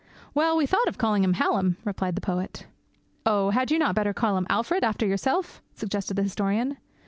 'Well, we thought of calling him Hallam,' replied the poet. 'Oh! had you not better call him Alfred, after yourself?' suggested the historian.